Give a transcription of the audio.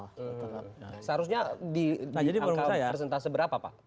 seharusnya di angka persentase berapa pak